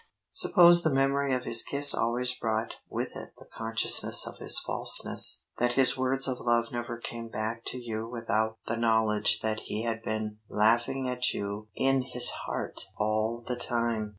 Suppose the memory of his kiss always brought with it the consciousness of his falseness; that his words of love never came back to you without the knowledge that he had been laughing at you in his heart all the time!